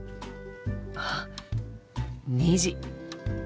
あっ２時。